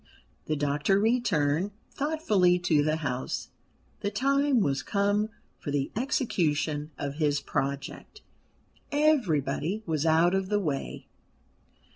The doctor returned thoughtfully to the house. The time was come for the execution of his project. Everybody was out of the way.